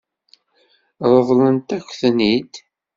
Ṛeḍlent-ak-ten-id?